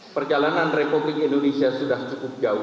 perjalanan republik indonesia sudah cukup jauh